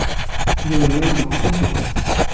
يو الائي ڏور ڇو؟